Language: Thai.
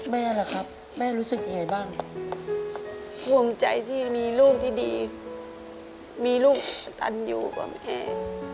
แม่ล่ะครับแม่รู้สึกยังไงบ้างภูมิใจที่มีลูกที่ดีมีลูกกระตันอยู่กับแม่